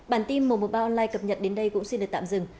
bản tin một trăm một mươi ba online cập nhật đến đây cũng xin được tạm dừng